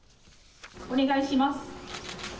お願いします。